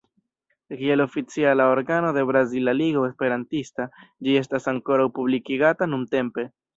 Kiel oficiala organo de Brazila Ligo Esperantista, ĝi estas ankoraŭ publikigata nuntempe.